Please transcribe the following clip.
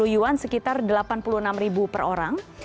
yuan sekitar delapan puluh enam ribu per orang